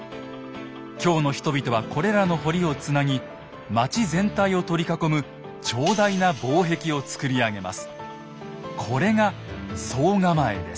京の人々はこれらの堀をつなぎ町全体を取り囲む長大な防壁を造り上げます。